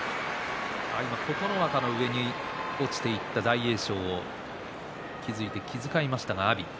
琴ノ若の上に落ちていった大栄翔気遣いましたが阿炎。